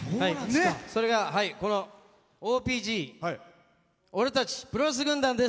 それがＯＰＧ俺たちプロレス軍団です！